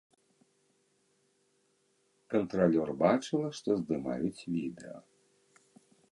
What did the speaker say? Кантралёр бачыла, што здымаюць відэа.